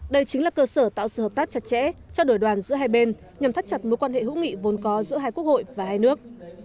đây chính là cơ sở tạo sự hợp tác chặt chẽ cho đổi đoàn giữa hai bên nhằm thắt chặt mối quan hệ hữu nghị vốn có giữa hai quốc hội và hai nước